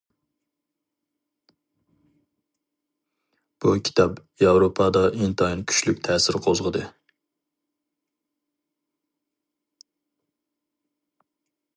بۇ كىتاب ياۋروپادا ئىنتايىن كۈچلۈك تەسىر قوزغىدى.